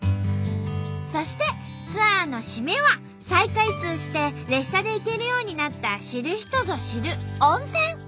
そしてツアーの締めは再開通して列車で行けるようになった知る人ぞ知る温泉。